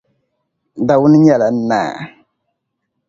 Dawuni nyɛla naa.